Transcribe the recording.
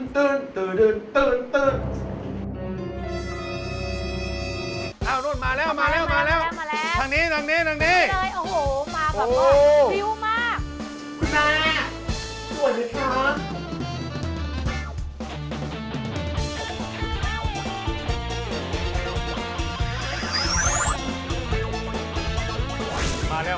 โธนเลยโธนเลย